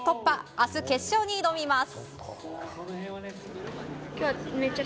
明日、決勝に挑みます。